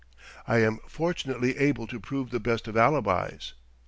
I am fortunately able to prove the best of alibis....